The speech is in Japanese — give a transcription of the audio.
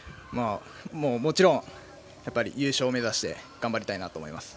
もちろん、優勝目指して頑張りたいなと思います。